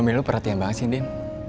suami lo perhatian banget sih din